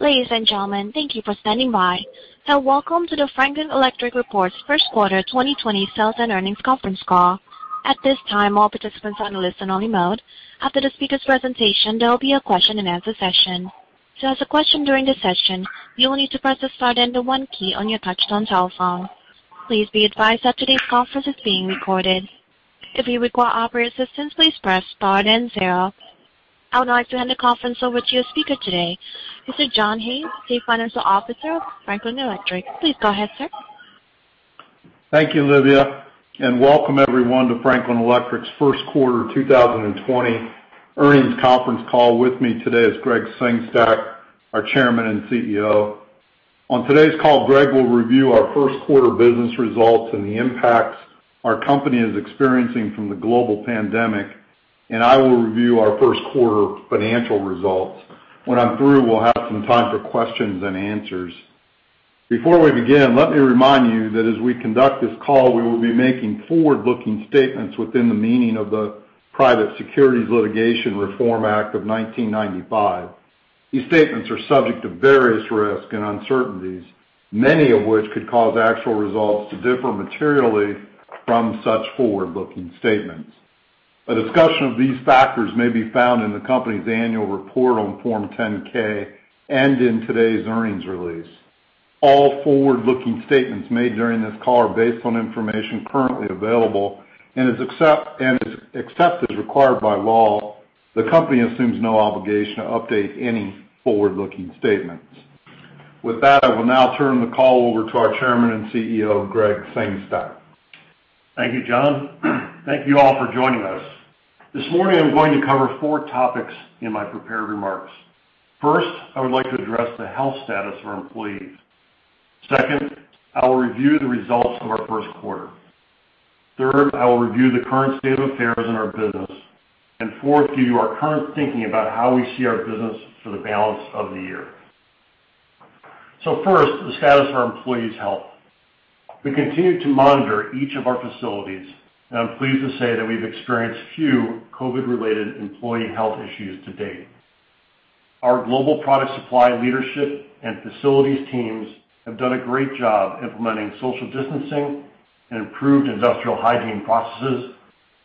Ladies and gentlemen, thank you for standing by, and welcome to the Franklin Electric Reports First Quarter 2020 Sales and Earnings Conference Call. At this time, all participants are on a listen-only mode. After the speaker's presentation, there will be a question-and-answer session. To ask a question during this session, you will need to press the star then the one key on your touchtone telephone. Please be advised that today's conference is being recorded. If you require operator assistance, please press star then zero. I would now like to hand the conference over to your speaker today, Mr. John Haines, Chief Financial Officer of Franklin Electric. Please go ahead, sir. Thank you, Olivia, and welcome everyone to Franklin Electric's first quarter 2020 earnings conference call. With me today is Gregg Sengstack, our Chairman and CEO. On today's call, Gregg will review our first quarter business results and the impacts our company is experiencing from the global pandemic, and I will review our first quarter financial results. When I'm through, we'll have some time for questions and answers. Before we begin, let me remind you that as we conduct this call, we will be making forward-looking statements within the meaning of the Private Securities Litigation Reform Act of 1995. These statements are subject to various risks and uncertainties, many of which could cause actual results to differ materially from such forward-looking statements. A discussion of these factors may be found in the company's annual report on Form 10-K and in today's earnings release. All forward-looking statements made during this call are based on information currently available, and except as required by law, the company assumes no obligation to update any forward-looking statements. With that, I will now turn the call over to our Chairman and CEO, Gregg Sengstack. Thank you, John. Thank you all for joining us. This morning, I'm going to cover four topics in my prepared remarks. First, I would like to address the health status of our employees. Second, I will review the results of our first quarter. Third, I will review the current state of affairs in our business. And fourth, give you our current thinking about how we see our business for the balance of the year. So first, the status of our employees' health. We continue to monitor each of our facilities, and I'm pleased to say that we've experienced few COVID-related employee health issues to date. Our global product supply leadership and facilities teams have done a great job implementing social distancing and improved industrial hygiene processes,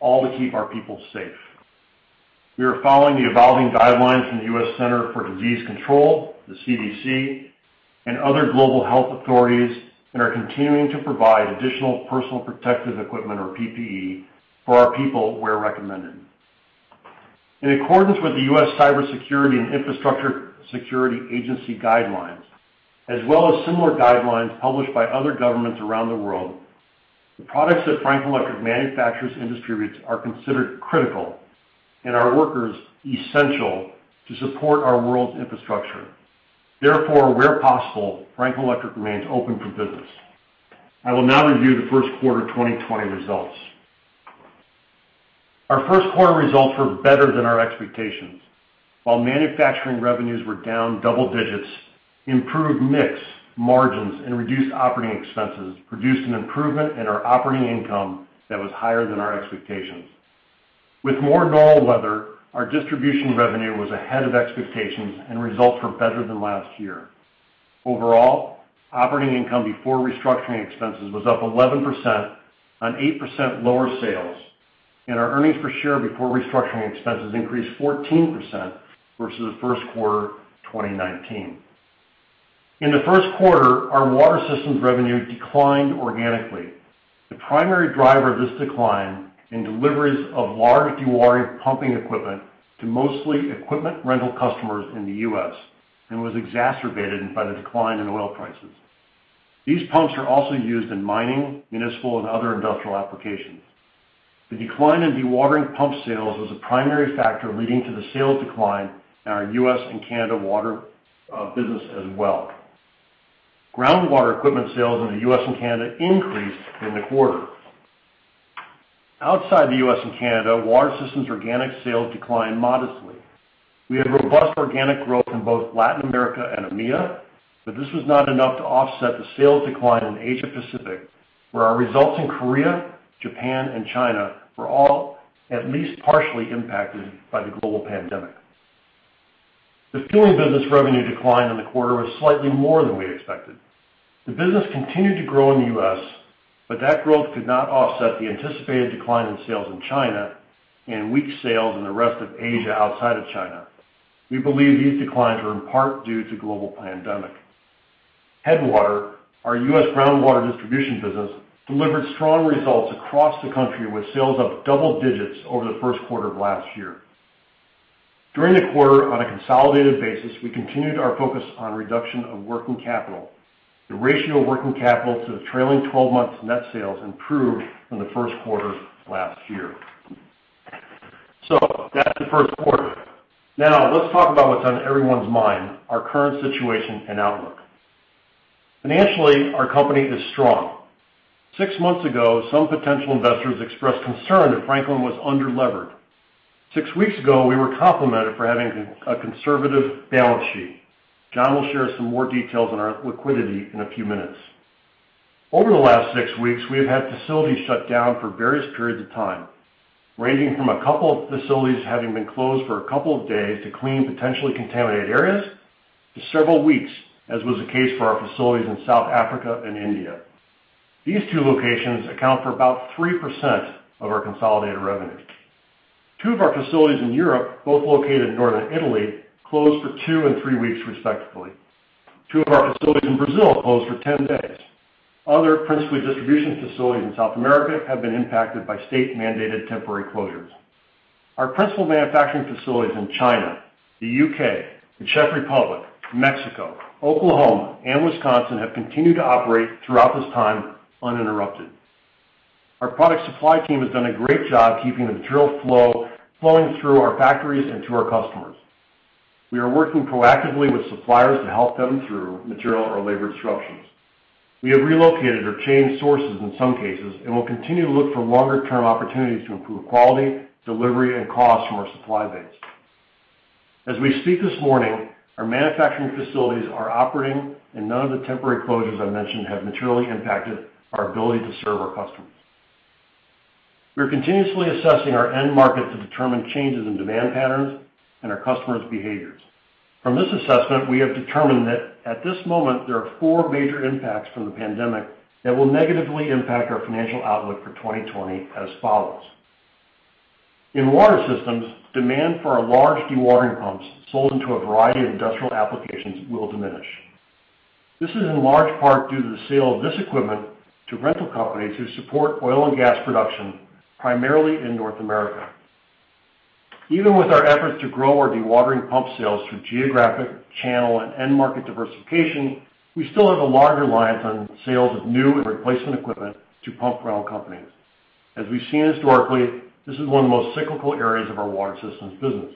all to keep our people safe. We are following the evolving guidelines from the U.S. Centers for Disease Control, the CDC, and other global health authorities, and are continuing to provide additional personal protective equipment, or PPE, for our people where recommended. In accordance with the U.S. Cybersecurity and Infrastructure Security Agency guidelines, as well as similar guidelines published by other governments around the world, the products that Franklin Electric manufactures and distributes are considered critical, and our workers essential to support our world's infrastructure. Therefore, where possible, Franklin Electric remains open for business. I will now review the first quarter 2020 results. Our first quarter results were better than our expectations. While manufacturing revenues were down double digits, improved mix, margins, and reduced operating expenses produced an improvement in our operating income that was higher than our expectations. With more normal weather, our distribution revenue was ahead of expectations and results were better than last year. Overall, operating income before restructuring expenses was up 11% on 8% lower sales, and our earnings per share before restructuring expenses increased 14% versus the first quarter 2019. In the first quarter, our water systems revenue declined organically. The primary driver of this decline in deliveries of large dewatering pumping equipment to mostly equipment rental customers in the U.S. and was exacerbated by the decline in oil prices. These pumps are also used in mining, municipal, and other industrial applications. The decline in dewatering pump sales was a primary factor leading to the sales decline in our U.S. and Canada water business as well. Groundwater equipment sales in the U.S. and Canada increased in the quarter. Outside the U.S. and Canada, water systems organic sales declined modestly. We had robust organic growth in both Latin America and EMEA, but this was not enough to offset the sales decline in Asia Pacific, where our results in Korea, Japan, and China were all at least partially impacted by the global pandemic. The fueling business revenue decline in the quarter was slightly more than we expected. The business continued to grow in the US, but that growth could not offset the anticipated decline in sales in China and weak sales in the rest of Asia outside of China. We believe these declines were in part due to global pandemic. Headwater, our US groundwater distribution business, delivered strong results across the country, with sales up double digits over the first quarter of last year. During the quarter, on a consolidated basis, we continued our focus on reduction of working capital. The ratio of working capital to the trailing 12 months net sales improved from the first quarter last year. So that's the first quarter. Now, let's talk about what's on everyone's mind, our current situation and outlook. Financially, our company is strong. 6 months ago, some potential investors expressed concern that Franklin was underlevered. 6 weeks ago, we were complimented for having a conservative balance sheet. John will share some more details on our liquidity in a few minutes. Over the last 6 weeks, we have had facilities shut down for various periods of time, ranging from a couple of facilities having been closed for a couple of days to clean potentially contaminated areas, to several weeks, as was the case for our facilities in South Africa and India. These two locations account for about 3% of our consolidated revenue. 2 of our facilities in Europe, both located in northern Italy, closed for 2 and 3 weeks, respectively. 2 of our facilities in Brazil closed for 10 days. Other principally distribution facilities in South America have been impacted by state-mandated temporary closures. Our principal manufacturing facilities in China, the UK, the Czech Republic, Mexico, Oklahoma, and Wisconsin have continued to operate throughout this time uninterrupted. Our product supply team has done a great job keeping the material flow, flowing through our factories and to our customers. We are working proactively with suppliers to help them through material or labor disruptions. We have relocated or changed sources in some cases and will continue to look for longer-term opportunities to improve quality, delivery, and cost from our supply base. As we speak this morning, our manufacturing facilities are operating, and none of the temporary closures I mentioned have materially impacted our ability to serve our customers. We are continuously assessing our end market to determine changes in demand patterns and our customers' behaviors. From this assessment, we have determined that at this moment, there are four major impacts from the pandemic that will negatively impact our financial outlook for 2020 as follows: In water systems, demand for our large dewatering pumps sold into a variety of industrial applications will diminish. This is in large part due to the sale of this equipment to rental companies who support oil and gas production, primarily in North America. Even with our efforts to grow our dewatering pump sales through geographic, channel, and end market diversification, we still have a large reliance on sales of new and replacement equipment to pump rental companies. As we've seen historically, this is one of the most cyclical areas of our water systems business.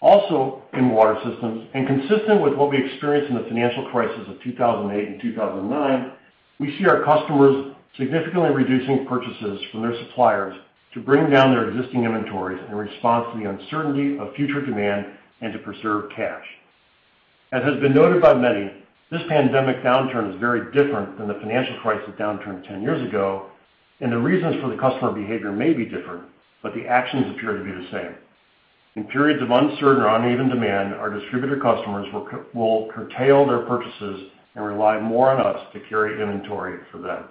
Also, in water systems, and consistent with what we experienced in the financial crisis of 2008 and 2009, we see our customers significantly reducing purchases from their suppliers to bring down their existing inventories in response to the uncertainty of future demand and to preserve cash. As has been noted by many, this pandemic downturn is very different than the financial crisis downturn 10 years ago, and the reasons for the customer behavior may be different, but the actions appear to be the same. In periods of uncertain or uneven demand, our distributor customers will curtail their purchases and rely more on us to carry inventory for them.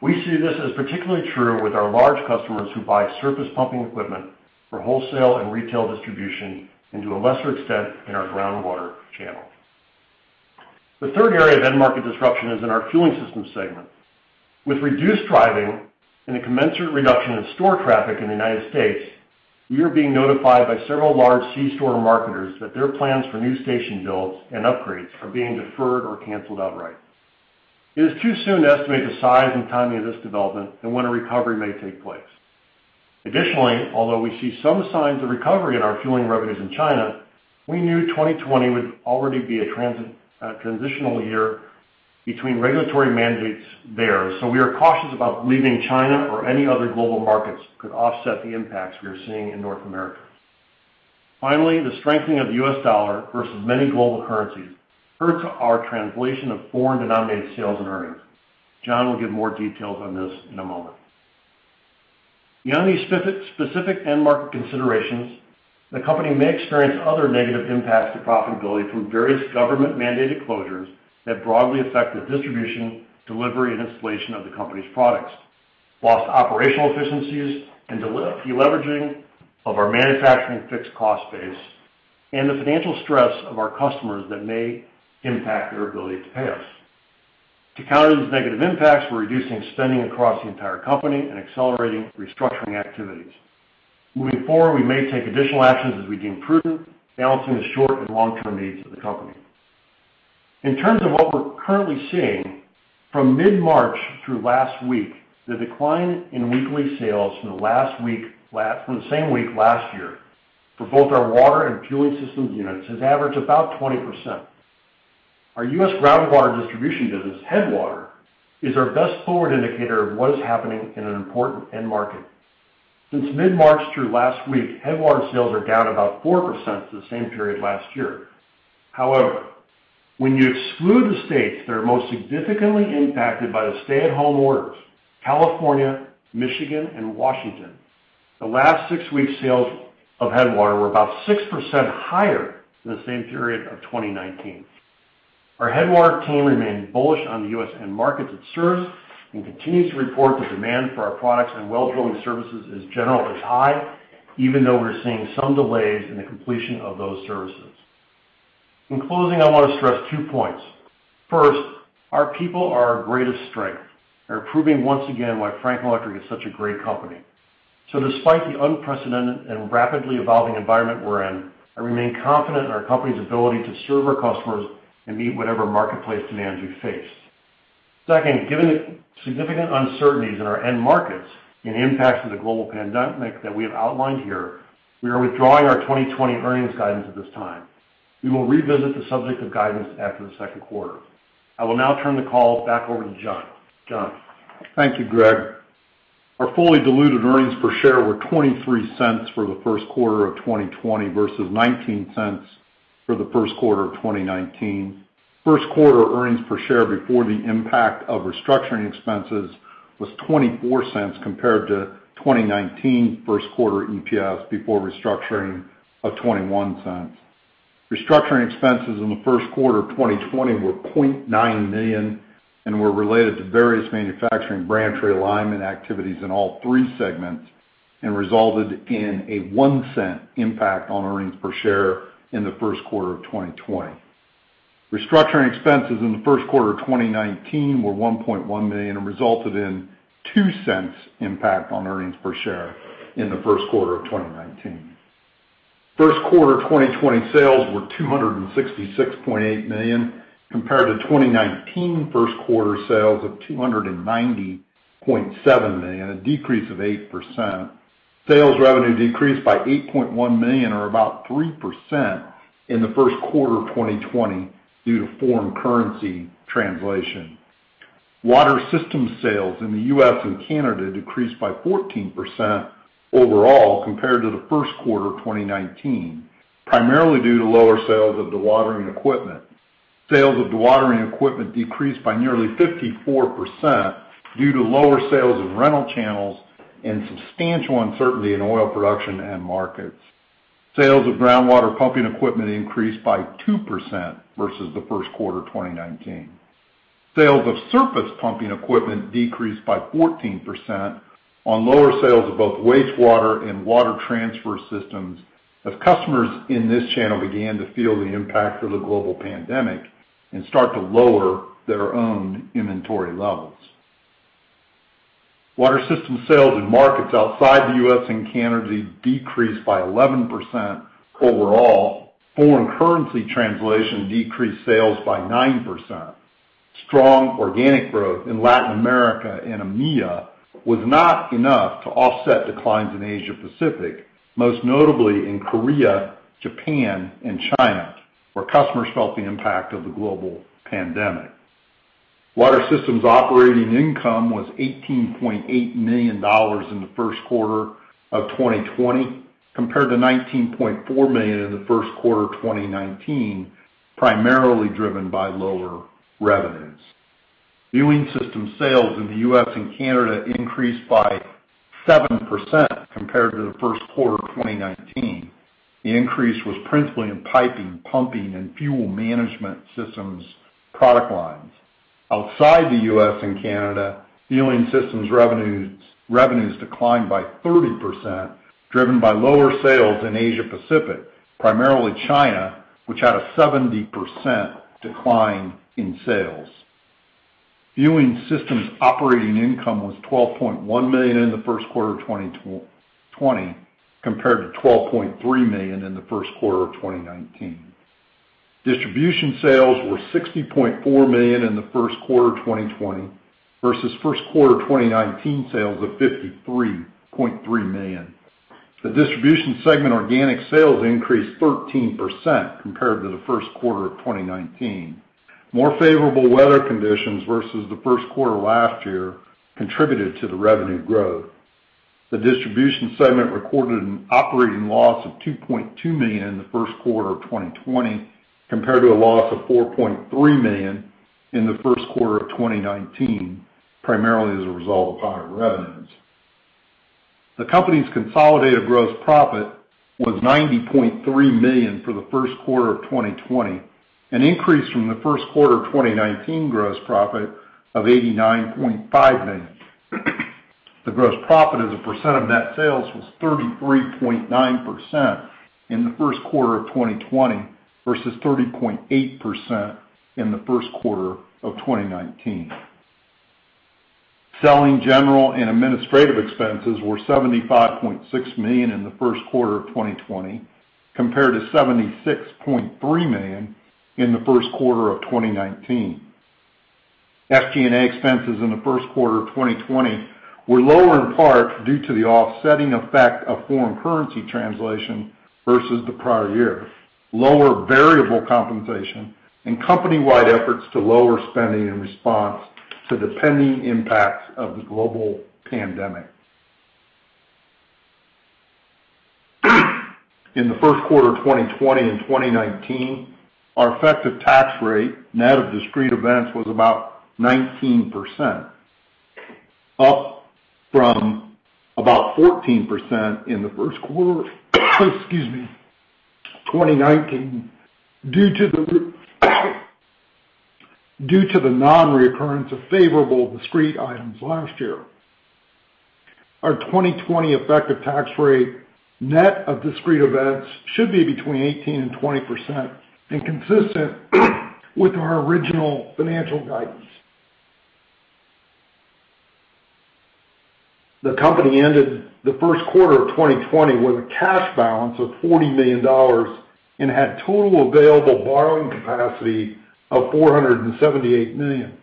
We see this as particularly true with our large customers who buy surface pumping equipment for wholesale and retail distribution, and to a lesser extent, in our groundwater channel. The third area of end market disruption is in our fueling systems segment. With reduced driving and a commensurate reduction in store traffic in the United States, we are being notified by several large C-store marketers that their plans for new station builds and upgrades are being deferred or canceled outright. It is too soon to estimate the size and timing of this development and when a recovery may take place. Additionally, although we see some signs of recovery in our fueling revenues in China, we knew 2020 would already be a transitional year between regulatory mandates there, so we are cautious about believing China or any other global markets could offset the impacts we are seeing in North America. Finally, the strengthening of the US dollar versus many global currencies hurts our translation of foreign-denominated sales and earnings. John will give more details on this in a moment. Beyond these specific end market considerations, the company may experience other negative impacts to profitability from various government-mandated closures that broadly affect the distribution, delivery, and installation of the company's products, lost operational efficiencies and deleveraging of our manufacturing fixed cost base, and the financial stress of our customers that may impact their ability to pay us. To counter these negative impacts, we're reducing spending across the entire company and accelerating restructuring activities. Moving forward, we may take additional actions as we deem prudent, balancing the short- and long-term needs of the company. In terms of what we're currently seeing, from mid-March through last week, the decline in weekly sales from the same week last year, for both our water and fueling systems units, has averaged about 20%. Our US groundwater distribution business, Headwater, is our best forward indicator of what is happening in an important end market. Since mid-March through last week, Headwater sales are down about 4% to the same period last year. However, when you exclude the states that are most significantly impacted by the stay-at-home orders, California, Michigan, and Washington, the last six weeks' sales of Headwater were about 6% higher than the same period of 2019. Our Headwater team remains bullish on the US end markets it serves and continues to report the demand for our products and well drilling services as generally high, even though we're seeing some delays in the completion of those services. In closing, I want to stress two points. First, our people are our greatest strength. They're proving once again why Franklin Electric is such a great company. So despite the unprecedented and rapidly evolving environment we're in, I remain confident in our company's ability to serve our customers and meet whatever marketplace demands we face. Second, given the significant uncertainties in our end markets and the impacts of the global pandemic that we have outlined here, we are withdrawing our 2020 earnings guidance at this time. We will revisit the subject of guidance after the second quarter. I will now turn the call back over to John. John? Thank you, Gregg. Our fully diluted earnings per share were $0.23 for the first quarter of 2020 versus $0.19 for the first quarter of 2019. First quarter earnings per share before the impact of restructuring expenses was $0.24 compared to 2019 first quarter EPS before restructuring of $0.21. Restructuring expenses in the first quarter of 2020 were $0.9 million and were related to various manufacturing footprint and trade alignment activities in all three segments and resulted in a $0.01 impact on earnings per share in the first quarter of 2020. Restructuring expenses in the first quarter of 2019 were $1.1 million and resulted in $0.02 impact on earnings per share in the first quarter of 2019. First quarter 2020 sales were $266.8 million, compared to 2019 first quarter sales of $290.7 million, a decrease of 8%. Sales revenue decreased by $8.1 million, or about 3%, in the first quarter of 2020 due to foreign currency translation. Water systems sales in the U.S. and Canada decreased by 14% overall compared to the first quarter of 2019, primarily due to lower sales of dewatering equipment. Sales of dewatering equipment decreased by nearly 54% due to lower sales in rental channels and substantial uncertainty in oil production and markets. Sales of groundwater pumping equipment increased by 2% versus the first quarter of 2019. Sales of surface pumping equipment decreased by 14% on lower sales of both wastewater and water transfer systems, as customers in this channel began to feel the impact of the global pandemic and start to lower their own inventory levels. Water system sales in markets outside the U.S. and Canada decreased by 11% overall. Foreign currency translation decreased sales by 9%. Strong organic growth in Latin America and EMEA was not enough to offset declines in Asia Pacific, most notably in Korea, Japan, and China, where customers felt the impact of the global pandemic. Water Systems operating income was $18.8 million in the first quarter of 2020, compared to $19.4 million in the first quarter of 2019, primarily driven by lower revenues. Fueling system sales in the US and Canada increased by 7% compared to the first quarter of 2019. The increase was principally in piping, pumping, and fuel management systems product lines. Outside the US and Canada, fueling systems revenues, revenues declined by 30%, driven by lower sales in Asia Pacific, primarily China, which had a 70% decline in sales. Fueling systems operating income was $12.1 million in the first quarter of 2020, compared to $12.3 million in the first quarter of 2019. Distribution sales were $60.4 million in the first quarter of 2020 versus first quarter of 2019 sales of $53.3 million. The distribution segment organic sales increased 13% compared to the first quarter of 2019. More favorable weather conditions versus the first quarter last year contributed to the revenue growth. The distribution segment recorded an operating loss of $2.2 million in the first quarter of 2020, compared to a loss of $4.3 million in the first quarter of 2019, primarily as a result of higher revenues. The company's consolidated gross profit was $90.3 million for the first quarter of 2020, an increase from the first quarter of 2019 gross profit of $89.5 million. The gross profit as a percent of net sales was 33.9% in the first quarter of 2020 versus 30.8% in the first quarter of 2019. Selling general and administrative expenses were $75.6 million in the first quarter of 2020, compared to $76.3 million in the first quarter of 2019. SG&A expenses in the first quarter of 2020 were lower in part due to the offsetting effect of foreign currency translation versus the prior year, lower variable compensation, and company-wide efforts to lower spending in response to the pending impacts of the global pandemic. In the first quarter of 2020 and 2019, our effective tax rate, net of discrete events, was about 19%, up from about 14% in the first quarter, excuse me, 2019, due to the non-reoccurrence of favorable discrete items last year. Our 2020 effective tax rate, net of discrete events, are be between 18% and 20% and consistent with our original financial guidance. The company ended the first quarter of 2020 with a cash balance of $40 million and had total available borrowing capacity of $478 million.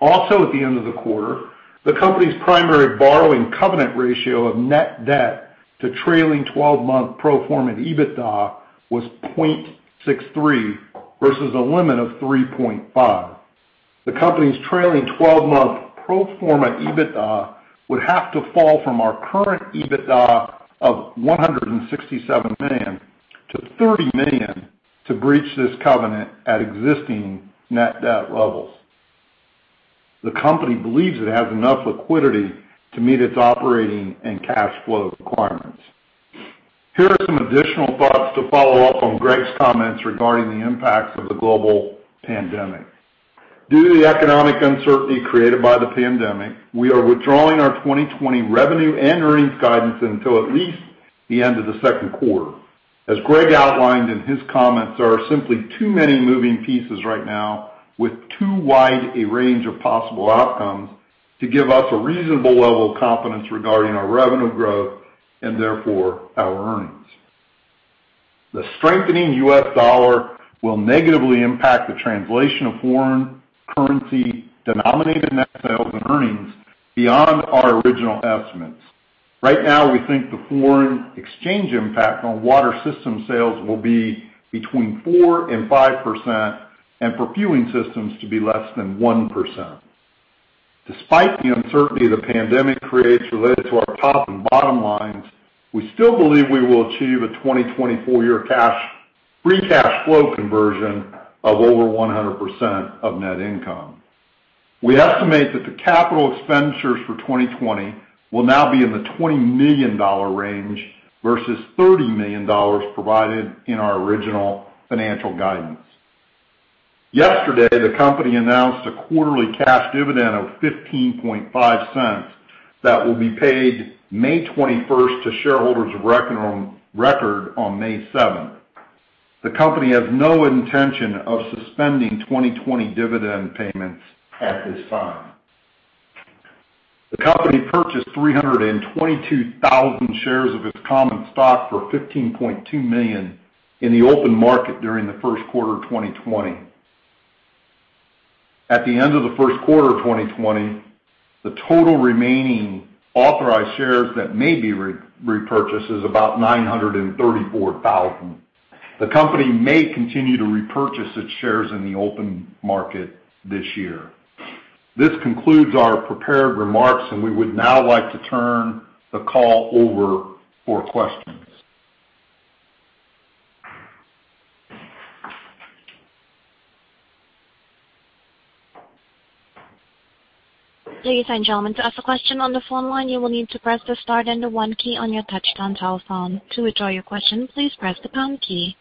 Also, at the end of the quarter, the company's primary borrowing covenant ratio of net debt to trailing twelve-month pro forma EBITDA was 0.63 versus a limit of 3.5. The company's trailing twelve-month pro forma EBITDA would have to fall from our current EBITDA of $167 million to $30 million to breach this covenant at existing net debt levels. The company believes it has enough liquidity to meet its operating and cash flow requirements. Here are some additional thoughts to follow up on Gregg's comments regarding the impacts of the global pandemic. Due to the economic uncertainty created by the pandemic, we are withdrawing our 2020 revenue and earnings guidance until at least the end of the second quarter. As Gregg outlined in his comments, there are simply too many moving pieces right now with too wide a range of possible outcomes to give us a reasonable level of confidence regarding our revenue growth and therefore, our earnings. The strengthening US dollar will negatively impact the translation of foreign currency denominated net sales and earnings beyond our original estimates. Right now, we think the foreign exchange impact on water system sales will be between 4% and 5%, and for fueling systems to be less than 1%. Despite the uncertainty the pandemic creates related to our top and bottom lines, we still believe we will achieve a 2020 full-year free cash flow conversion of over 100% of net income. We estimate that the capital expenditures for 2020 will now be in the $20 million range versus $30 million provided in our original financial guidance. Yesterday, the company announced a quarterly cash dividend of $0.155 that will be paid May 21 to shareholders of record on May 7. The company has no intention of suspending 2020 dividend payments at this time. The company purchased 322,000 shares of its common stock for $15.2 million in the open market during the first quarter of 2020. At the end of the first quarter of 2020, the total remaining authorized shares that may be repurchased is about 934,000. The company may continue to repurchase its shares in the open market this year. This concludes our prepared remarks, and we would now like to turn the call over for questions. Ladies and gentlemen, to ask a question on the phone line, you will need to press the star then the one key on your touchtone telephone. To withdraw your question, please press the pound key.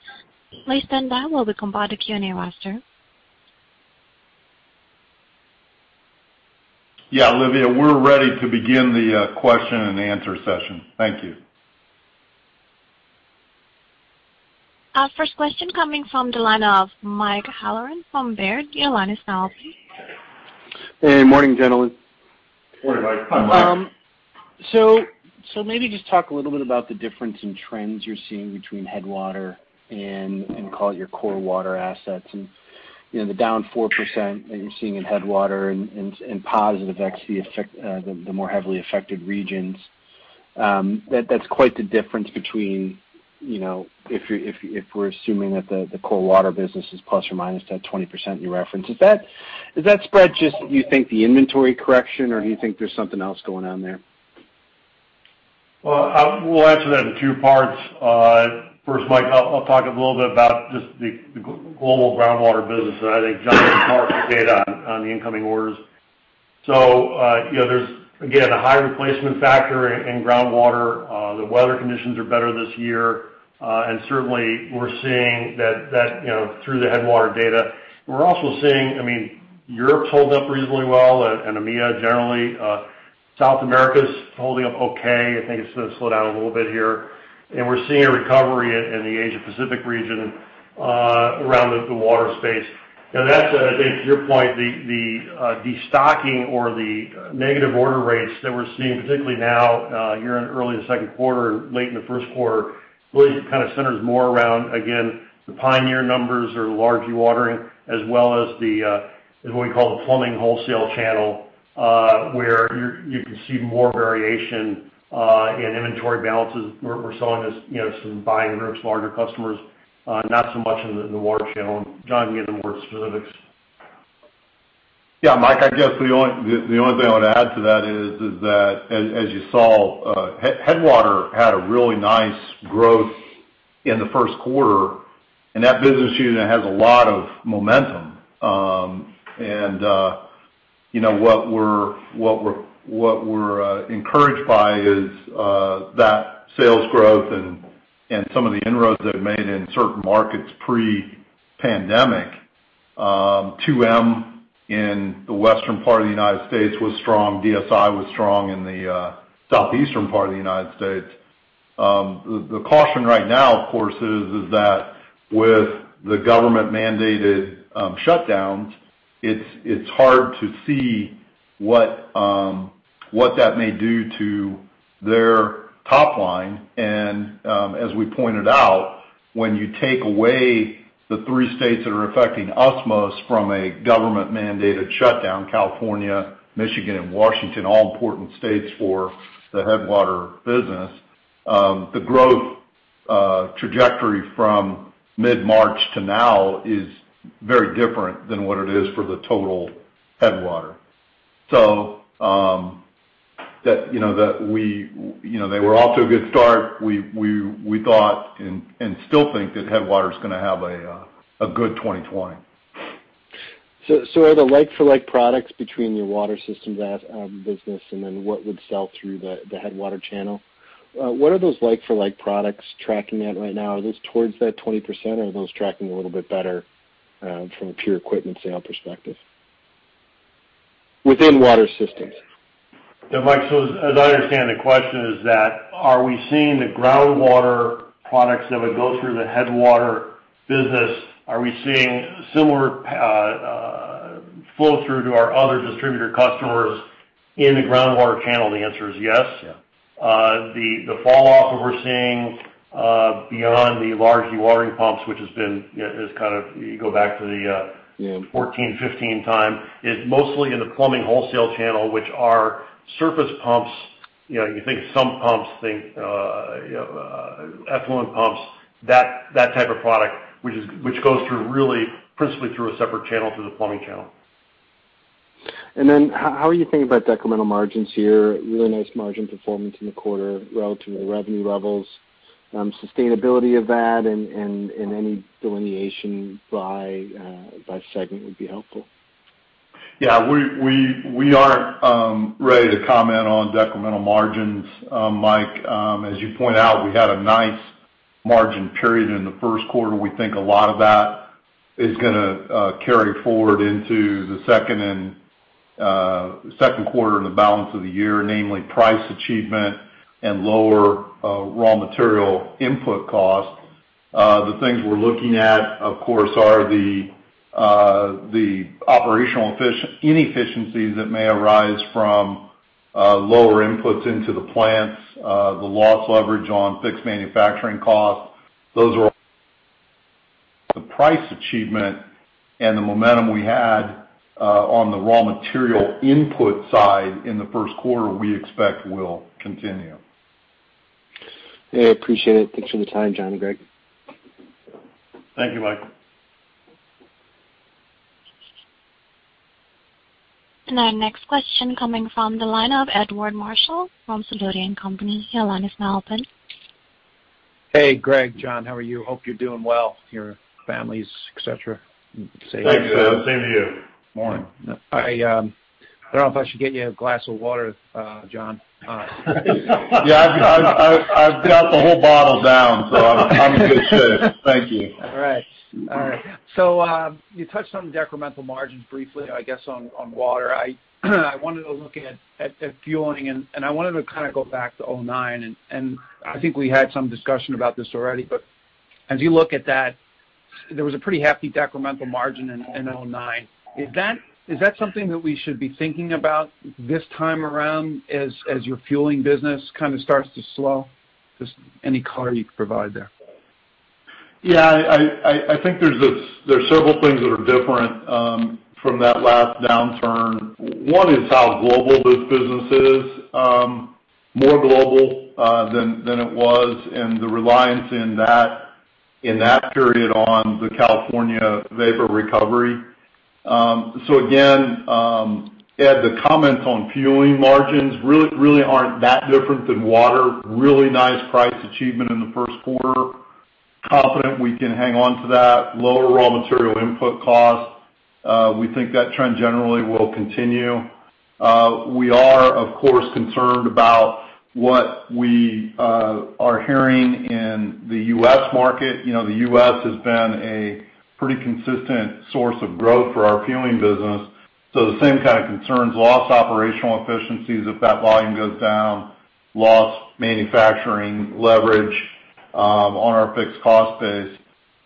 Please stand by while we compile the Q&A roster. Yeah, Olivia, we're ready to begin the question and answer session. Thank you. Our first question coming from the line of Mike Halloran from Baird. Your line is now open. Hey, morning, gentlemen. Morning, Mike. Hi, Mike. So, so maybe just talk a little bit about the difference in trends you're seeing between Headwater and, and call it your core water assets. And, you know, the down 4% that you're seeing in Headwater and, and, and positive actually affect, the, the more heavily affected regions, that that's quite the difference between, you know, if you're-- if, if we're assuming that the, the core water business is ±20% you referenced. Is that, is that spread just, do you think, the inventory correction, or do you think there's something else going on there? Well, we'll answer that in two parts. First, Mike, I'll talk a little bit about just the global groundwater business, and I think John can talk in detail on the incoming orders. So, you know, there's, again, a high replacement factor in groundwater. The weather conditions are better this year, and certainly we're seeing that, you know, through the Headwater data. We're also seeing, I mean, Europe's holding up reasonably well and EMEA, generally. South America's holding up okay. I think it's gonna slow down a little bit here, and we're seeing a recovery in the Asia Pacific region, around the water space. Now, that's, I think to your point, the, the, the stocking or the negative order rates that we're seeing, particularly now, here in early the second quarter, late in the first quarter, really kind of centers more around, again, the Pioneer numbers or dewatering, as well as the, what we call the plumbing wholesale channel, where you can see more variation, in inventory balances. We're seeing this, you know, some buying groups, larger customers, not so much in the water channel. John, you can give more specifics. Yeah, Mike, I guess the only thing I would add to that is that as you saw, Headwater had a really nice growth in the first quarter, and that business unit has a lot of momentum. And, you know, what we're encouraged by is that sales growth and some of the inroads they've made in certain markets pre-pandemic. 2M in the western part of the United States was strong. DSI was strong in the southeastern part of the United States. The caution right now, of course, is that with the government-mandated shutdowns, it's hard to see what that may do to their top line and, as we pointed out, when you take away the three states that are affecting us most from a government-mandated shutdown, California, Michigan and Washington, all important states for the Headwater business, the growth trajectory from mid-March to now is very different than what it is for the total Headwater. So, you know, they were off to a good start. We thought and still think that Headwater is gonna have a good 2020. So, are the like-for-like products between your water systems business and then what would sell through the Headwater channel? What are those like-for-like products tracking at right now? Are those towards that 20%, or are those tracking a little bit better from a pure equipment sale perspective within water systems? Yeah, Mike, so as I understand, the question is that, are we seeing the groundwater products that would go through the Headwater business, are we seeing similar flow through to our other distributor customers in the groundwater channel? The answer is yes. Yeah. The fall off that we're seeing beyond the large dewatering pumps, which has been, you know, has kind of you go back to the Yeah Its 14, 15 time, is mostly in the plumbing wholesale channel, which are surface pumps. You know, you think sump pumps, think, effluent pumps, that, that type of product, which goes through really principally through a separate channel, through the plumbing channel. And then how are you thinking about decremental margins here? Really nice margin performance in the quarter relative to the revenue levels. Sustainability of that and any delineation by segment would be helpful. Yeah, we aren't ready to comment on decremental margins, Mike. As you point out, we had a nice margin period in the first quarter. We think a lot of that is gonna carry forward into the second quarter and the balance of the year, namely price achievement and lower raw material input costs. The things we're looking at, of course, are the operational inefficiencies that may arise from lower inputs into the plants, the loss leverage on fixed manufacturing costs. Those are the price achievement and the momentum we had on the raw material input side in the first quarter; we expect will continue. Hey, appreciate it. Thanks for the time, John and Greg. Thank you, Mike. Our next question coming from the line of Edward Marshall from Sidoti & Company. Your line is now open. Hey, Greg, John, how are you? Hope you're doing well, your families, et cetera. Thank you, sir. Same to you. Morning. I don't know if I should get you a glass of water, John. Yeah, I've downed the whole bottle down, so I'm in good shape. Thank you. All right. All right. So, you touched on decremental margins briefly, I guess, on water. I wanted to look at fueling, and I wanted to kind of go back to 2009, and I think we had some discussion about this already. But as you look at that, there was a pretty hefty decremental margin in 2009. Is that something that we should be thinking about this time around as your fueling business kind of starts to slow? Just any color you could provide there. Yeah, I think there are several things that are different from that last downturn. One is how global this business is. More global than it was, and the reliance in that period on the California vapor recovery. So again, Ed, the comments on fueling margins really, really aren't that different than water. Really nice price achievement in the first quarter. Confident we can hang on to that. Lower raw material input cost, we think that trend generally will continue. We are, of course, concerned about what we are hearing in the U.S. market. You know, the U.S. has been a pretty consistent source of growth for our fueling business. So the same kind of concerns, loss operational efficiencies, if that volume goes down, loss manufacturing leverage on our fixed cost base.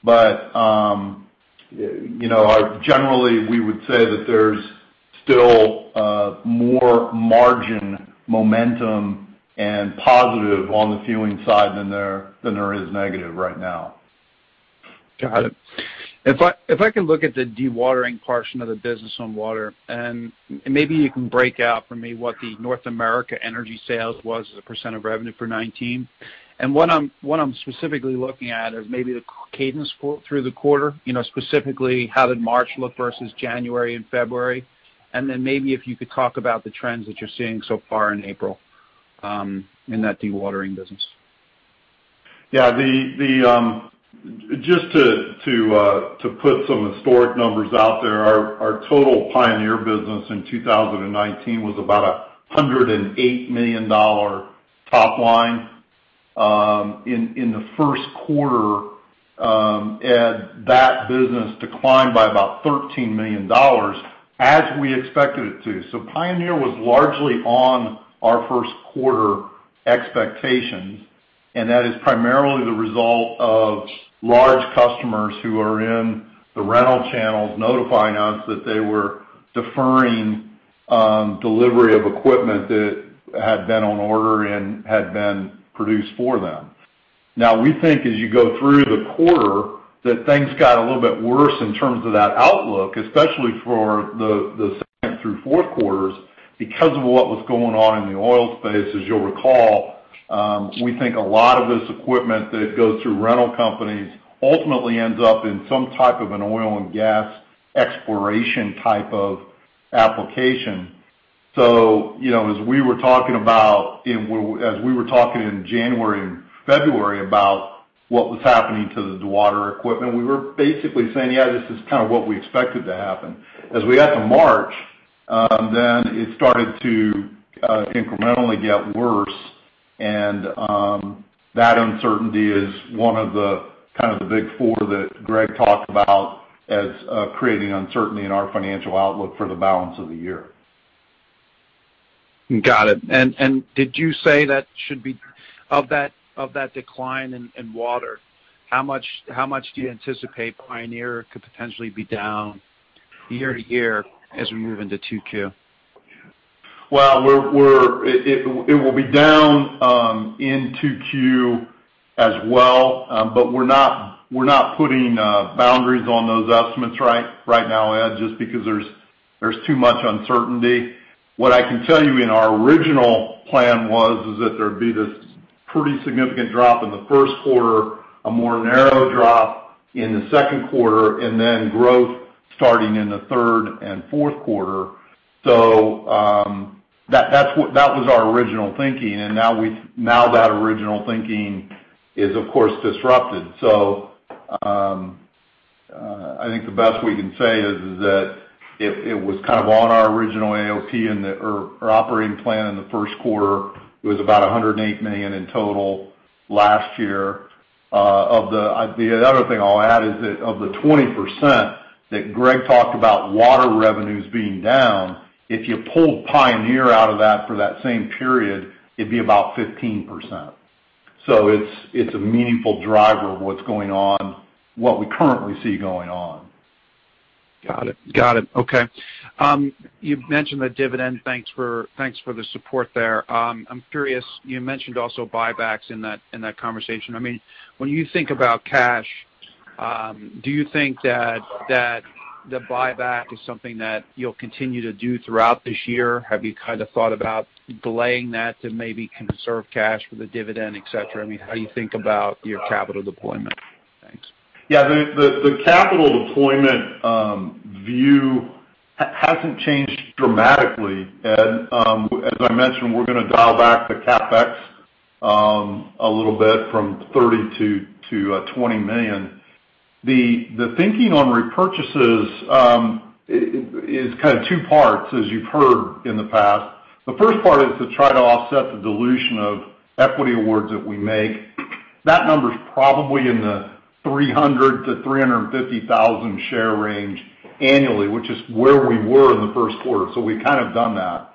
But, you know, generally, we would say that there's still more margin, momentum and positive on the fueling side than there is negative right now. Got it. If I, if I can look at the dewatering portion of the business on water, and maybe you can break out for me what the North America energy sales was as a % of revenue for 2019. And what I'm, what I'm specifically looking at is maybe the cadence through the quarter, you know, specifically, how did March look versus January and February? And then maybe if you could talk about the trends that you're seeing so far in April in that dewatering business. Yeah, just to put some historic numbers out there, our total Pioneer business in 2019 was about $108 million top line. In the first quarter, Ed, that business declined by about $13 million, as we expected it to. So Pioneer was largely on our first quarter expectations, and that is primarily the result of large customers who are in the rental channels notifying us that they were deferring delivery of equipment that had been on order and had been produced for them. Now, we think as you go through the quarter, that things got a little bit worse in terms of that outlook, especially for the second through fourth quarters, because of what was going on in the oil space. As you'll recall, we think a lot of this equipment that goes through rental companies ultimately ends up in some type of an oil and gas exploration type of application. So, you know, as we were talking in January and February about what was happening to the water equipment, we were basically saying, "Yeah, this is kind of what we expected to happen." As we got to March, then it started to incrementally get worse. And that uncertainty is one of the, kind of the big four that Gregg talked about as creating uncertainty in our financial outlook for the balance of the year. Got it. And did you say that should be of that decline in water, how much do you anticipate Pioneer could potentially be down year-over-year as we move into 2Q? Well, it will be down in 2Q as well. But we're not putting boundaries on those estimates right now, Ed, just because there's too much uncertainty. What I can tell you in our original plan is that there'd be this pretty significant drop in the first quarter, a more narrow drop in the second quarter, and then growth starting in the third and fourth quarter. So, that's what our original thinking was, and now that original thinking is, of course, disrupted. So, I think the best we can say is that if it was kind of on our original AOP or operating plan in the first quarter, it was about $108 million in total last year. Of the... The other thing I'll add is that of the 20% that Greg talked about water revenues being down, if you pulled Pioneer out of that for that same period, it'd be about 15%. So it's, it's a meaningful driver of what's going on, what we currently see going on. Got it. Got it. Okay. You've mentioned the dividend. Thanks for the support there. I'm curious, you mentioned also buybacks in that conversation. I mean, when you think about cash, do you think that the buyback is something that you'll continue to do throughout this year? Have you kind of thought about delaying that to maybe conserve cash for the dividend, et cetera? I mean, how do you think about your capital deployment? Thanks. Yeah, the capital deployment view hasn't changed dramatically, Ed. As I mentioned, we're gonna dial back the CapEx a little bit from $30 million to $20 million. The thinking on repurchases is kind of two parts, as you've heard in the past. The first part is to try to offset the dilution of equity awards that we make. That number is probably in the 300-350 thousand share range annually, which is where we were in the first quarter, so we've kind of done that.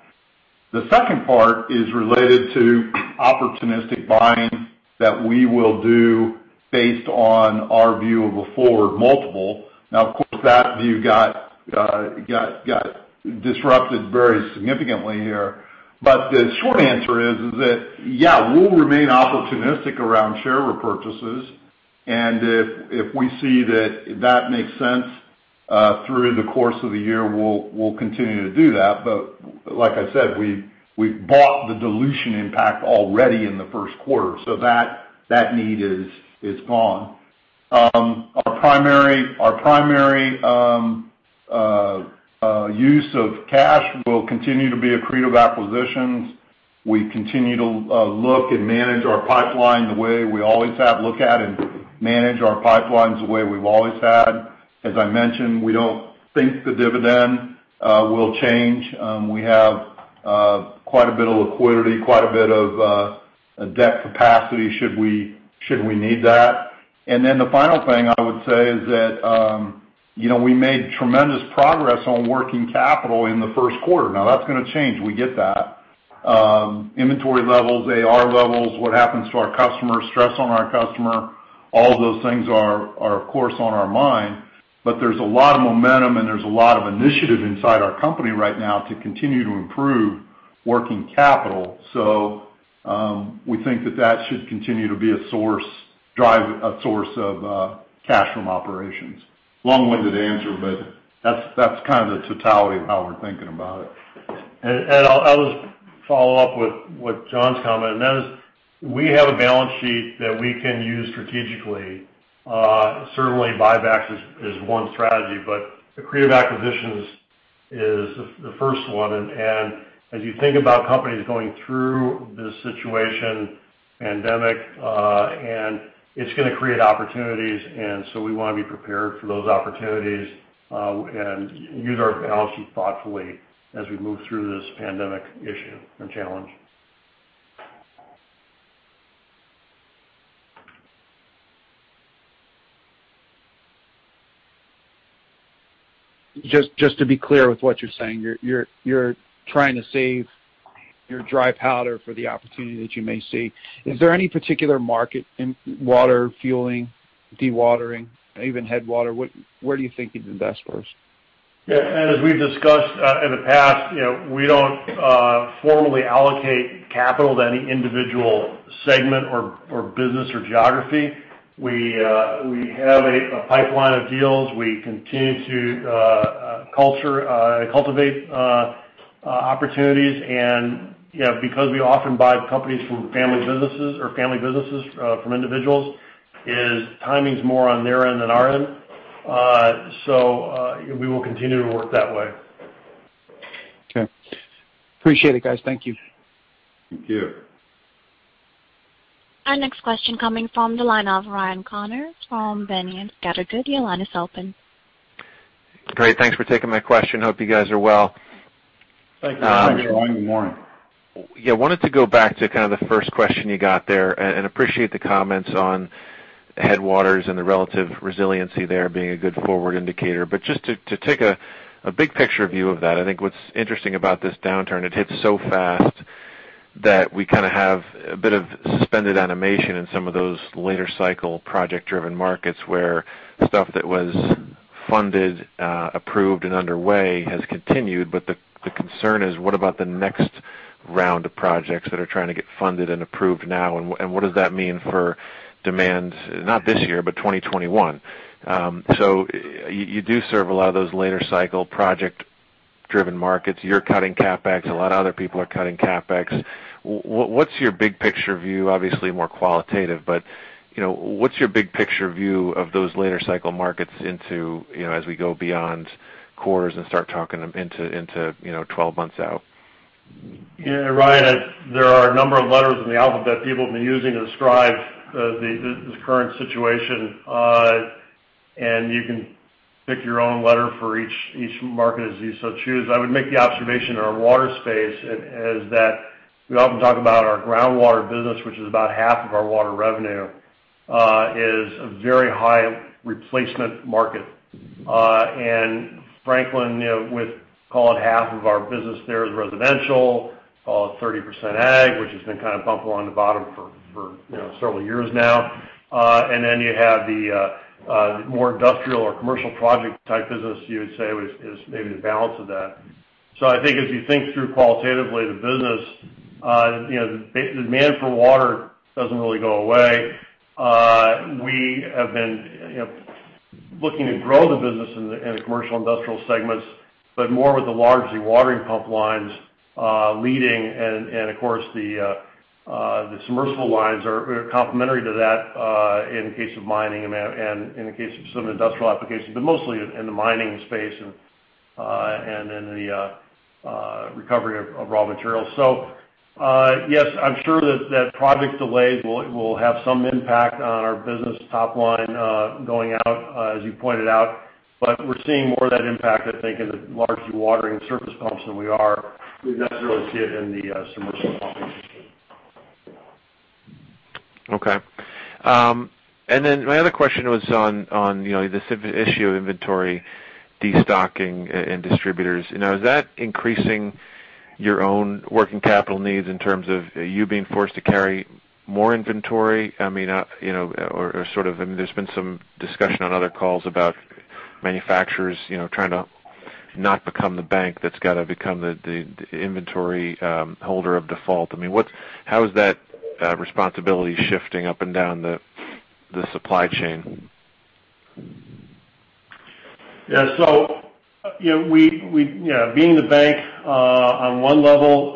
The second part is related to opportunistic buying that we will do based on our view of a forward multiple. Now, of course, that view got disrupted very significantly here. But the short answer is that, yeah, we'll remain opportunistic around share repurchases, and if we see that that makes sense, through the course of the year, we'll continue to do that. But like I said, we've bought the dilution impact already in the first quarter, so that need is gone. Our primary use of cash will continue to be accretive acquisitions. We continue to look and manage our pipeline the way we always have, look at and manage our pipelines the way we've always had. As I mentioned, we don't think the dividend will change. We have quite a bit of liquidity, quite a bit of debt capacity should we need that. And then the final thing I would say is that, you know, we made tremendous progress on working capital in the first quarter. Now, that's gonna change. We get that. Inventory levels, AR levels, what happens to our customer, stress on our customer, all those things are of course on our mind, but there's a lot of momentum and there's a lot of initiative inside our company right now to continue to improve working capital. So, we think that that should continue to be a source, drive a source of cash from operations. Long-winded answer, but that's kind of the totality of how we're thinking about it. And, Ed, I'll just follow up with John's comment, and that is, we have a balance sheet that we can use strategically. Certainly, buybacks is one strategy, but accretive acquisitions is the first one. And as you think about companies going through this situation, pandemic, and it's gonna create opportunities, and so we want to be prepared for those opportunities, and use our balance sheet thoughtfully as we move through this pandemic issue and challenge.... Just to be clear with what you're saying, you're trying to save your dry powder for the opportunity that you may see. Is there any particular market in water, fueling, dewatering, even Headwater? Where do you think you'd invest first? Yeah, and as we've discussed in the past, you know, we don't formally allocate capital to any individual segment or business or geography. We have a pipeline of deals. We continue to cultivate opportunities. And, you know, because we often buy companies from family businesses or family businesses from individuals, the timing's more on their end than our end. So, we will continue to work that way. Okay. Appreciate it, guys. Thank you. Thank you. Our next question coming from the line of Ryan Connors from Boenning & Scattergood. Your line is open. Great. Thanks for taking my question. Hope you guys are well. Thank you, Ryan. Good morning. Yeah, wanted to go back to kind of the first question you got there, and appreciate the comments on Headwater and the relative resiliency there being a good forward indicator. But just to take a big picture view of that, I think what's interesting about this downturn, it hit so fast that we kind of have a bit of suspended animation in some of those later cycle project-driven markets, where stuff that was funded, approved, and underway has continued. But the concern is, what about the next round of projects that are trying to get funded and approved now? And what does that mean for demand, not this year, but 2021? So you do serve a lot of those later cycle project-driven markets. You're cutting CapEx, a lot of other people are cutting CapEx. What's your big picture view, obviously more qualitative, but, you know, what's your big picture view of those later cycle markets into, you know, as we go beyond quarters and start talking into, into, you know, 12 months out? Yeah, Ryan, there are a number of letters in the alphabet people have been using to describe the current situation. And you can pick your own letter for each market as you so choose. I would make the observation in our water space is that we often talk about our groundwater business, which is about half of our water revenue, is a very high replacement market. And Franklin, you know, with, call it half of our business there is residential, call it 30% ag, which has been kind of bumping along the bottom for you know, several years now. And then you have the more industrial or commercial project type business, you would say, which is maybe the balance of that. So I think if you think through qualitatively the business, you know, demand for water doesn't really go away. We have been, you know, looking to grow the business in the commercial industrial segments, but more with the large dewatering pump lines and of course the submersible lines are complementary to that, in case of mining and in the case of some industrial applications, but mostly in the mining space and in the recovery of raw materials. So yes, I'm sure that project delays will have some impact on our business top line going out as you pointed out. But we're seeing more of that impact, I think, in the large dewatering surface pumps than we necessarily see it in the submersible pumps. Okay. And then my other question was on you know the supply issue of inventory, destocking, and distributors. Now, is that increasing your own working capital needs in terms of you being forced to carry more inventory? I mean, you know, or sort of, I mean, there's been some discussion on other calls about manufacturers you know trying to not become the bank that's got to become the inventory holder by default. I mean, what's. How is that responsibility shifting up and down the supply chain? Yeah. So, you know, being the bank, on one level,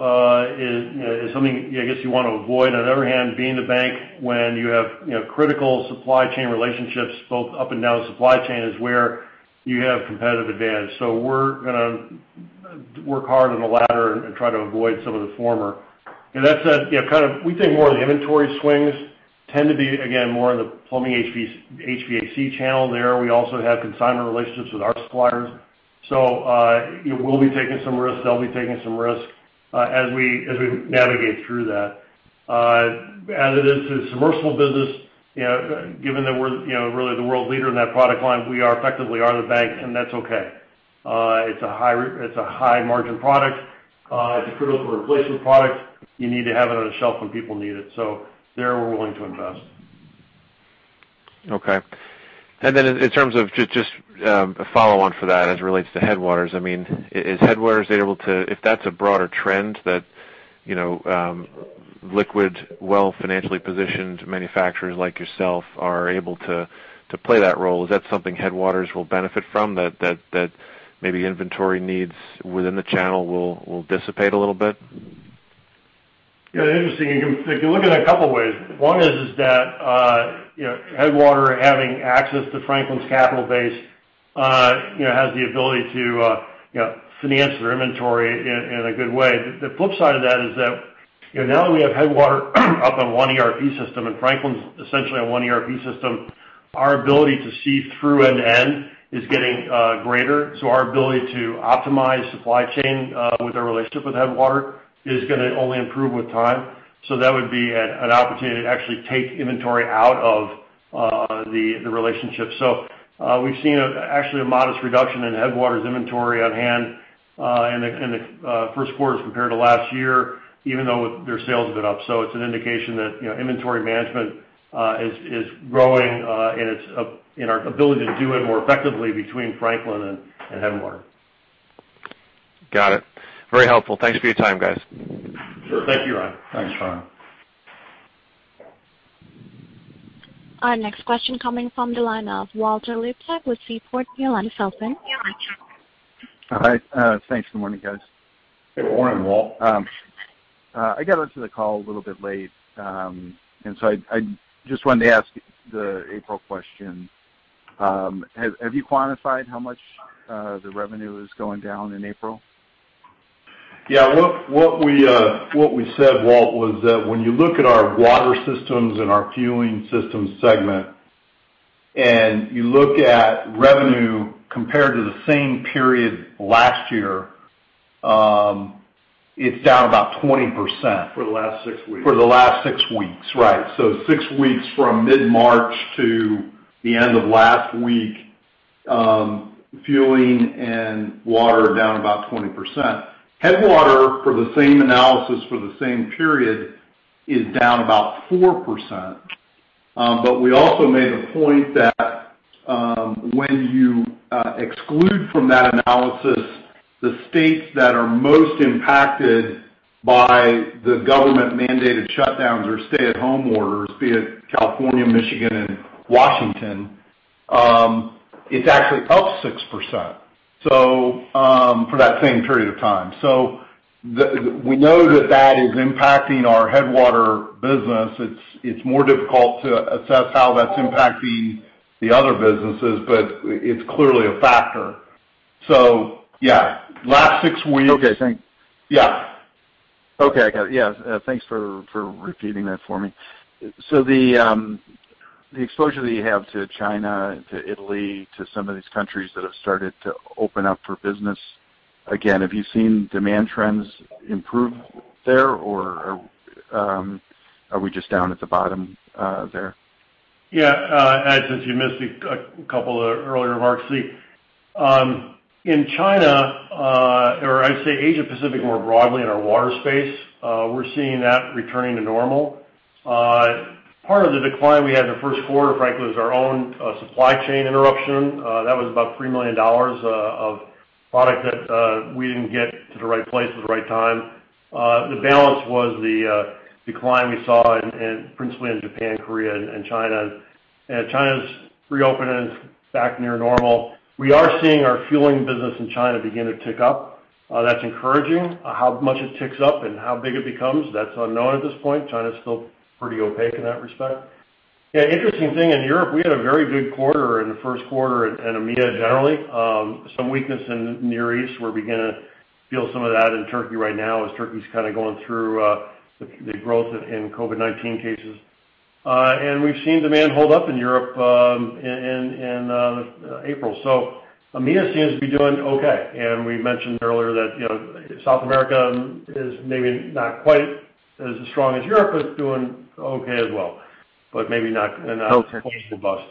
is something I guess you want to avoid. On the other hand, being the bank when you have, you know, critical supply chain relationships, both up and down the supply chain, is where you have competitive advantage. So we're gonna work hard on the latter and try to avoid some of the former. And that said, you know, kind of, we think more of the inventory swings tend to be, again, more in the plumbing HVAC channel there. We also have consignment relationships with our suppliers. So, you know, we'll be taking some risks. They'll be taking some risks, as we navigate through that. As it is to submersible business, you know, given that we're, you know, really the world leader in that product line, we are effectively are the bank, and that's okay. It's a high-margin product. It's a critical replacement product. You need to have it on a shelf when people need it, so there, we're willing to invest. Okay. And then in terms of just a follow-on for that, as it relates to Headwater. I mean, is Headwater able to—if that's a broader trend that, you know, liquid, well financially positioned manufacturers like yourself are able to play that role, is that something Headwater will benefit from? That maybe inventory needs within the channel will dissipate a little bit? Yeah, interesting. You can look at it a couple ways. One is that, you know, Headwater having access to Franklin's capital base, you know, has the ability to, you know, finance their inventory in a good way. The flip side of that is that, you know, now that we have Headwater up on one ERP system and Franklin's essentially on one ERP system, our ability to see through end-to-end is getting greater. So our ability to optimize supply chain with our relationship with Headwater is gonna only improve with time. So that would be an opportunity to actually take inventory out of the relationship. So, we've seen actually a modest reduction in Headwater's inventory on hand.... In the first quarter as compared to last year, even though their sales have been up. So it's an indication that, you know, inventory management is growing, and our ability to do it more effectively between Franklin and Headwater. Got it. Very helpful. Thanks for your time, guys. Sure. Thank you, Ryan. Thanks, Ryan. Our next question coming from the line of Walter Liptak with Seaport Global. Your line is open. Hi, thanks. Good morning, guys. Good morning, Walt. I got onto the call a little bit late, and so I just wanted to ask the April question. Have you quantified how much the revenue is going down in April? Yeah, what, what we said, Walt, was that when you look at our water systems and our fueling systems segment, and you look at revenue compared to the same period last year, it's down about 20%. For the last six weeks. For the last 6 weeks, right. So 6 weeks from mid-March to the end of last week, fueling and water are down about 20%. Headwater, for the same analysis for the same period, is down about 4%. But we also made a point that, when you exclude from that analysis the states that are most impacted by the government-mandated shutdowns or stay-at-home orders, be it California, Michigan, and Washington, it's actually up 6%, so, for that same period of time. So we know that that is impacting our Headwater business. It's more difficult to assess how that's impacting the other businesses, but it's clearly a factor. So yeah, last 6 weeks- Okay, thanks. Yeah. Okay, I got it. Yeah, thanks for, for repeating that for me. So the exposure that you have to China, to Italy, to some of these countries that have started to open up for business again, have you seen demand trends improve there, or, are we just down at the bottom, there? Yeah, as since you missed a couple of earlier remarks, the in China, or I'd say Asia Pacific more broadly in our water space, we're seeing that returning to normal. Part of the decline we had in the first quarter, frankly, was our own supply chain interruption. That was about $3 million of product that we didn't get to the right place at the right time. The balance was the decline we saw in principally in Japan, Korea, and China. And China's reopening is back near normal. We are seeing our fueling business in China begin to tick up. That's encouraging. How much it ticks up and how big it becomes, that's unknown at this point. China's still pretty opaque in that respect. Yeah, interesting thing in Europe, we had a very good quarter in the first quarter and EMEA, generally. Some weakness in Near East. We're beginning to feel some of that in Turkey right now as Turkey's kind of going through the growth in COVID-19 cases. And we've seen demand hold up in Europe in April. So EMEA seems to be doing okay, and we mentioned earlier that, you know, South America is maybe not quite as strong as Europe, but it's doing okay as well, but maybe not, not- Okay. Quite robust.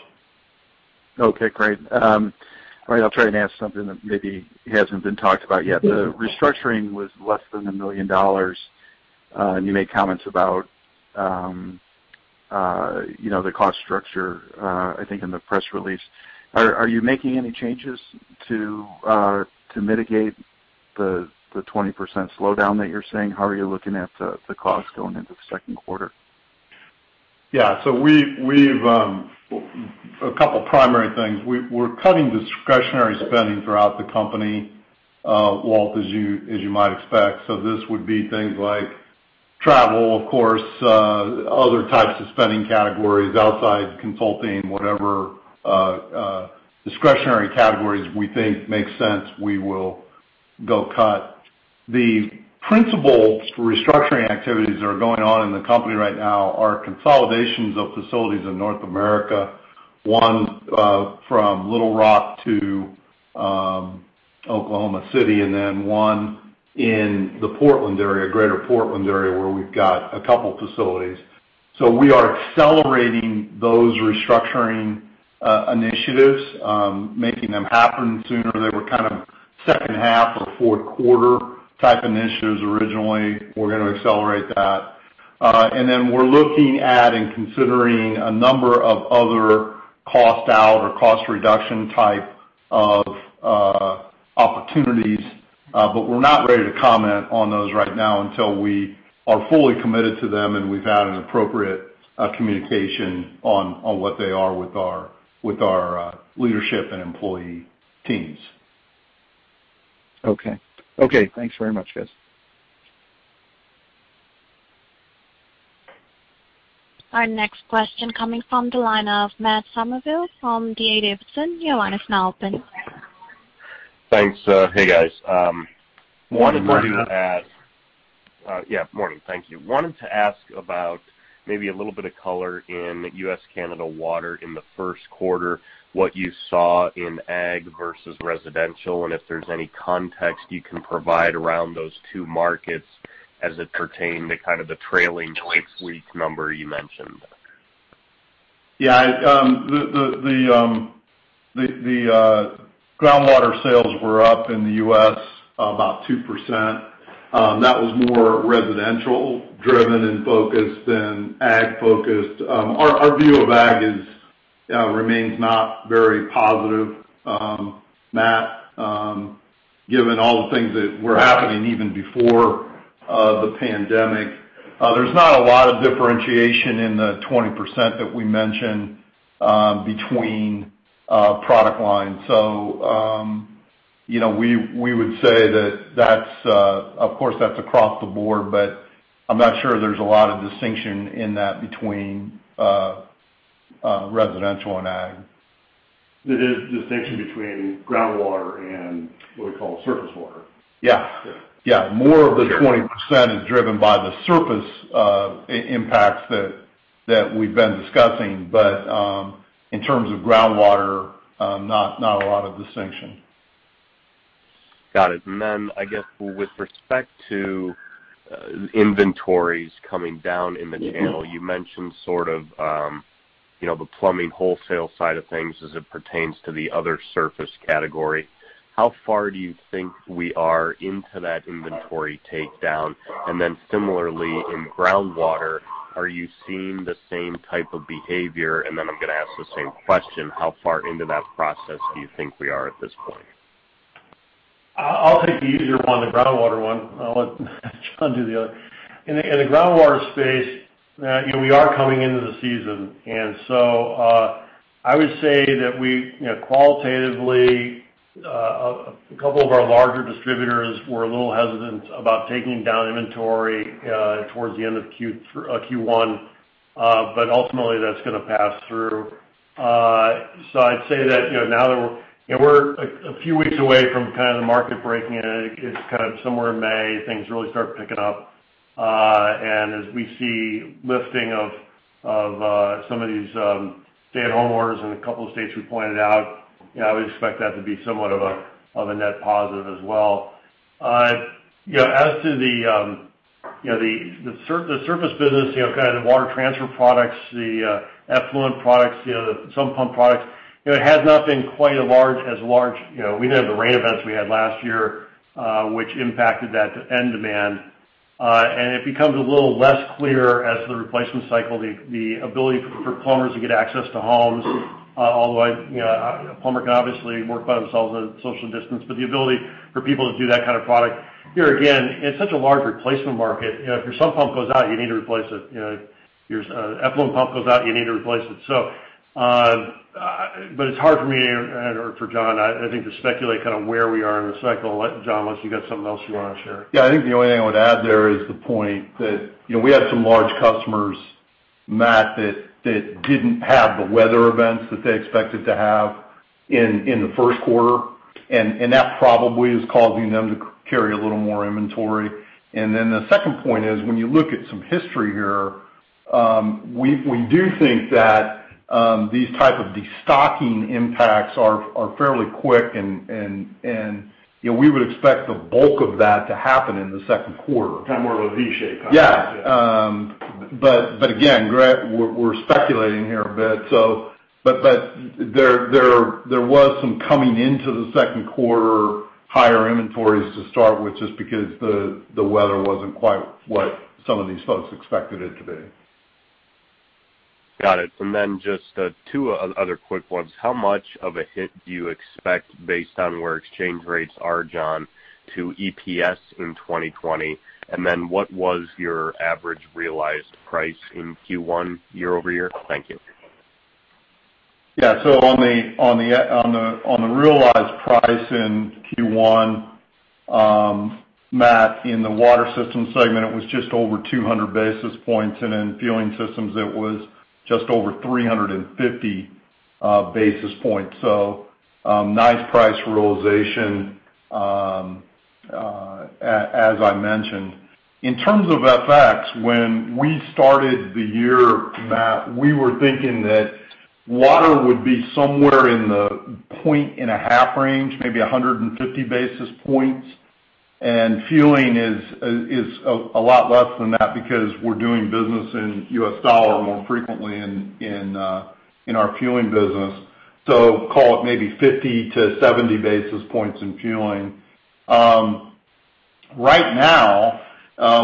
Okay, great. All right, I'll try and ask something that maybe hasn't been talked about yet. Yeah. The restructuring was less than $1 million, and you made comments about, you know, the cost structure, I think in the press release. Are you making any changes to mitigate the 20% slowdown that you're seeing? How are you looking at the costs going into the second quarter? Yeah. So we've a couple primary things. We're cutting discretionary spending throughout the company, Walt, as you might expect. So this would be things like travel, of course, other types of spending categories outside consulting, whatever, discretionary categories we think make sense, we will go cut. The principal restructuring activities that are going on in the company right now are consolidations of facilities in North America, one, from Little Rock to Oklahoma City, and then one in the Portland area, Greater Portland area, where we've got a couple facilities. So we are accelerating those restructuring initiatives, making them happen sooner. They were kind of second half or fourth quarter type initiatives originally. We're gonna accelerate that. And then we're looking at and considering a number of other cost out or cost reduction type of opportunities, but we're not ready to comment on those right now until we are fully committed to them and we've had an appropriate communication on what they are with our leadership and employee teams. Okay. Okay, thanks very much, guys. Our next question coming from the line of Matt Summerville from D.A. Davidson. Your line is now open. Thanks. Hey, guys, Good morning, Matt. Wanted to ask... yeah, morning. Thank you. Wanted to ask about maybe a little bit of color in U.S., Canada water in the first quarter, what you saw in ag versus residential, and if there's any context you can provide around those two markets as it pertained to kind of the trailing 12-week number you mentioned?... Yeah, the groundwater sales were up in the US about 2%. That was more residential driven and focused than ag focused. Our view of ag remains not very positive, Matt, given all the things that were happening even before the pandemic. There's not a lot of differentiation in the 20% that we mentioned between product lines. So, you know, we would say that that's, of course, that's across the board, but I'm not sure there's a lot of distinction in that between residential and ag. There is a distinction between groundwater and what we call surface water. Yeah. Yeah. Yeah, more of the 20% is driven by the surface impacts that we've been discussing, but in terms of groundwater, not a lot of distinction. Got it. And then, I guess, with respect to inventories coming down in the channel, you mentioned sort of, you know, the plumbing wholesale side of things as it pertains to the other surface category. How far do you think we are into that inventory takedown? And then similarly, in groundwater, are you seeing the same type of behavior? And then I'm gonna ask the same question, how far into that process do you think we are at this point? I'll take the easier one, the groundwater one. I'll let John do the other. In the groundwater space, you know, we are coming into the season. And so, I would say that we, you know, qualitatively, a couple of our larger distributors were a little hesitant about taking down inventory towards the end of Q1. But ultimately, that's gonna pass through. So I'd say that, you know, now that we're and we're a few weeks away from kind of the market breaking in, it's kind of somewhere in May, things really start picking up. And as we see lifting of some of these stay-at-home orders in a couple of states we pointed out, you know, we expect that to be somewhat of a net positive as well. You know, as to the surface business, you know, kind of the water transfer products, the effluent products, you know, the sump pump products, you know, it has not been quite as large, you know, we didn't have the rain events we had last year, which impacted that end demand. It becomes a little less clear as the replacement cycle, the ability for plumbers to get access to homes, although, you know, a plumber can obviously work by themselves at a social distance, but the ability for people to do that kind of product. Here, again, it's such a large replacement market. You know, if your sump pump goes out, you need to replace it. You know, your effluent pump goes out, you need to replace it. But it's hard for me and/or for John, I think, to speculate kind of where we are in the cycle. John, unless you got something else you wanna share. Yeah, I think the only thing I would add there is the point that, you know, we had some large customers, Matt, that didn't have the weather events that they expected to have in the first quarter, and that probably is causing them to carry a little more inventory. And then the second point is, when you look at some history here, we do think that these type of destocking impacts are fairly quick, and you know, we would expect the bulk of that to happen in the second quarter. Kind of more of a V shape. Yeah. But again, Greg, we're speculating here a bit, so... But there was some coming into the second quarter, higher inventories to start with, just because the weather wasn't quite what some of these folks expected it to be. Got it. And then just two other quick ones. How much of a hit do you expect based on where exchange rates are, John, to EPS in 2020? And then, what was your average realized price in Q1 year-over-year? Thank you. Yeah. So on the realized price in Q1, Matt, in the water system segment, it was just over 200 basis points, and in fueling systems, it was just over 350 basis points. So, nice price realization, as I mentioned. In terms of FX, when we started the year, Matt, we were thinking that water would be somewhere in the 1.5 range, maybe 150 basis points, and fueling is a lot less than that because we're doing business in US dollar more frequently in our fueling business, so call it maybe 50-70 basis points in fueling. Right now,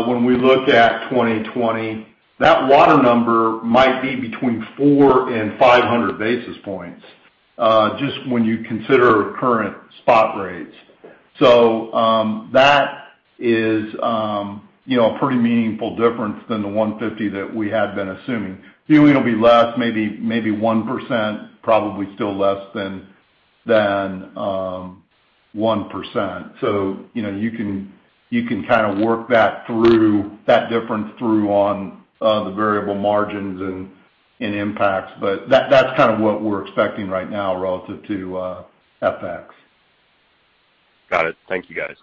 when we look at 2020, that water number might be between 400 and 500 basis points, just when you consider current spot rates. So, that is, you know, a pretty meaningful difference than the 150 that we had been assuming. Fueling will be less, maybe 1%, probably still less than 1%. So, you know, you can, you can kind of work that through, that difference through on the variable margins and impacts, but that's kind of what we're expecting right now relative to FX. Got it. Thank you, guys.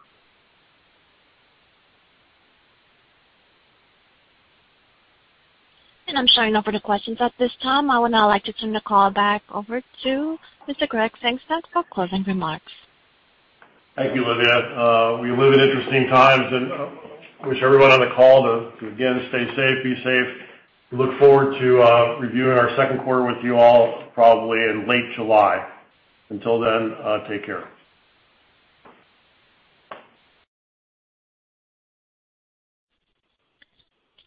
I'm showing no further questions at this time. I would now like to turn the call back over to Mr. Gregg Sengstack for closing remarks. Thank you, Livia. We live in interesting times, and wish everyone on the call to again stay safe, be safe. We look forward to reviewing our second quarter with you all, probably in late July. Until then, take care.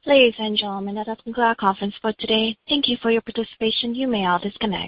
Ladies and gentlemen, that concludes our conference call today. Thank you for your participation. You may all disconnect.